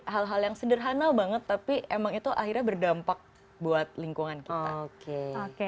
hal hal yang sederhana banget tapi emang itu akhirnya berdampak buat lingkungan kita oke